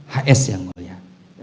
hs yang mulia